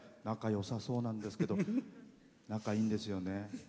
仲よさそうなんですけど仲いいんですよね？